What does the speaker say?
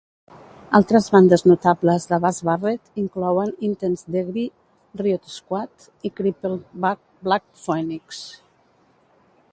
Altres bandes notables de Baz Barrett inclouen Intense Degree, Riot Squad i Crippled Black Phoenix.